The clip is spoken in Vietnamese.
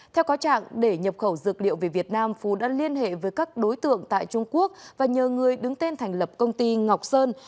theo cáo trạng để nhập khẩu dược liệu về việt nam phú đã liên hệ với các đối tượng tại trung quốc và nhờ người đứng tên thành lập công ty ngọc sơn